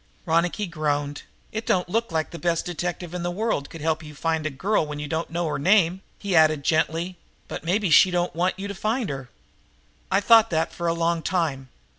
Ronicky groaned. "It don't look like the best detective in the world could help you to find a girl when you don't know her name." He added gently: "But maybe she don't want you to find her?" "I thought that for a long time.